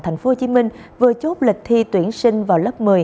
tp hcm vừa chốt lịch thi tuyển sinh vào lớp một mươi